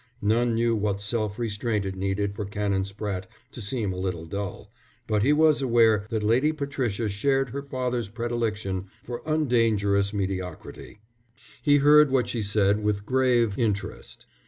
None knew what self restraint it needed for Canon Spratte to seem a little dull, but he was aware that Lady Patricia shared her father's predilection for undangerous mediocrity. He heard what she said with grave interest.